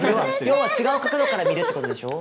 要は違う角度から見るってことでしょ？